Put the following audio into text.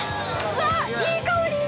うわっいい香り。